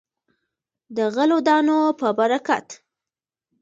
د غلو دانو په برکت.